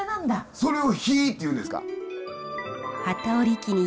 それを杼っていうんですか。